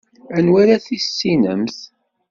Anwa ara tissinemt?